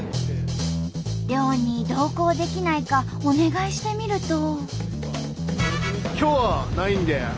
漁に同行できないかお願いしてみると。